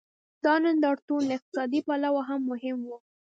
دا نندارتون له اقتصادي پلوه هم مهم و.